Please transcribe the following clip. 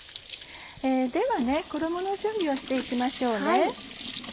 では衣の準備をして行きましょうね。